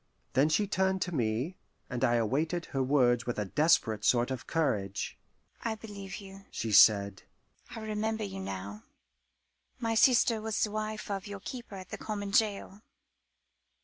Then she turned to me, and I awaited her words with a desperate sort of courage. "I believe you," she said. "I remember you now. My sister was the wife of your keeper at the common jail.